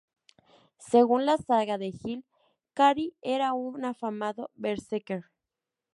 Según la "saga de Egil", Kari era un afamado berserker.